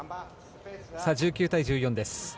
１９対１４です。